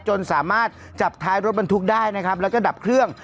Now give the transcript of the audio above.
จนสามารถจับท้ายรถบรรทุกได้นะครับแล้วก็ดับเครื่อง